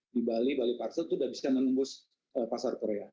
di bali bali parsel itu sudah bisa menembus pasar korea